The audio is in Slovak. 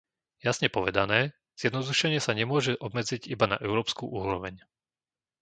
Jasne povedané, zjednodušenie sa nemôže obmedziť iba na európsku úroveň.